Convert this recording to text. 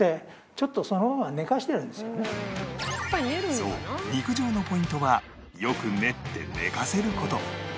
そう肉汁のポイントはよく練って寝かせる事